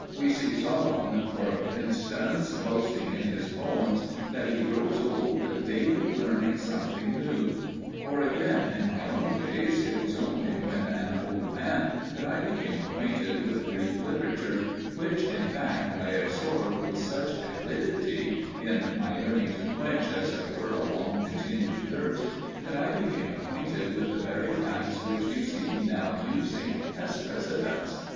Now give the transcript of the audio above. We see Solon, for instance, boasting in his poems that he grows old "daily learning something new." Or again in my own case, it was only when an old man that I became acquainted with Greek literature, which in fact I absorbed with such avidity in my yearning to quench, as it were, a long continued thirst that I became acquainted with the very facts which you see me now using as precedents.